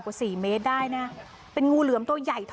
กลับด้านหลักหลักหลัก